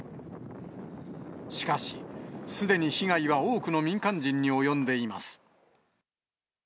しかし、すでに被害は多くの民間人に及んでいます。